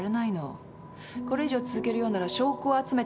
これ以上続けるようなら証拠を集めて訴えるわ。